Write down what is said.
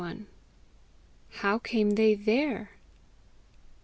HOW COME THEY THERE?